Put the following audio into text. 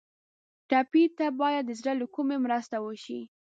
ټپي ته باید د زړه له کومي مرسته وشي.